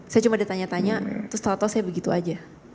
saya cuma ditanya tanya terus tau tau saya begitu aja